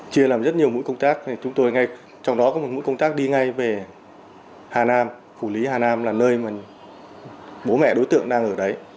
chia làm rất nhiều mũi công tác chúng tôi ngay trong đó có một mũi công tác đi ngay về hà nam phủ lý hà nam là nơi mà bố mẹ đối tượng đang ở đấy